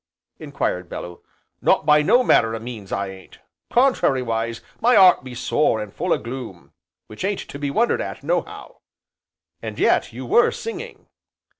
enquired Bellew. "Not by no manner o' means, I ain't, contrariwise my 'eart be sore an' full o' gloom, which ain't to be wondered at, nohow." "And yet you were singing."